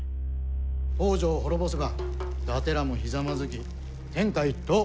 北条を滅ぼせば伊達らもひざまずき天下一統。